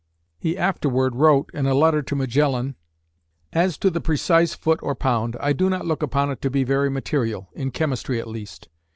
He afterward wrote, in a letter to Magellan: As to the precise foot or pound, I do not look upon it to be very material, in chemistry at least.